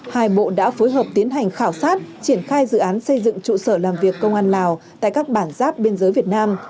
hai bộ đã phối hợp tiến hành khảo sát triển khai dự án xây dựng trụ sở làm việc công an lào tại các bản giáp biên giới việt nam